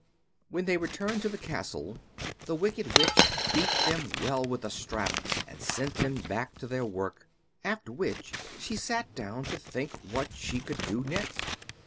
When they returned to the castle the Wicked Witch beat them well with a strap, and sent them back to their work, after which she sat down to think what she should do next.